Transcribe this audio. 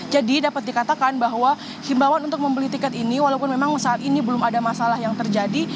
jadi dapat dikatakan bahwa himbawan untuk membeli tiket ini walaupun memang saat ini belum ada masalah yang terjadi